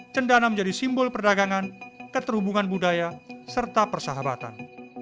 cendana menjadi simbol perdagangan keterhubungan budaya serta persahabatan